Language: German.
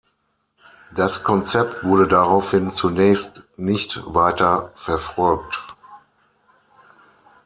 Das Konzept wurde daraufhin zunächst nicht weiter verfolgt.